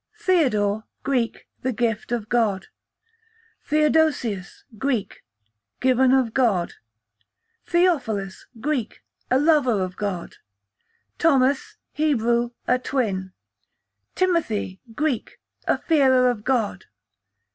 Theodore, Greek, the gift of God. Theodosius, Greek, given of God. Theophilus, Greek, a lover of God. Thomas, Hebrew, a twin. Timothy, Greek, a fearer of God.